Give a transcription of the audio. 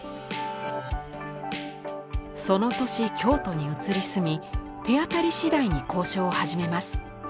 その年京都に移り住み手当たりしだいに交渉を始めます。